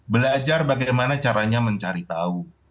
belajar bagaimana caranya mencari tahu